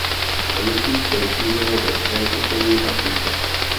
Hnutí se rozšířilo ve frankofonní Africe.